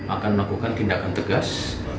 akan melakukan tindakan tegas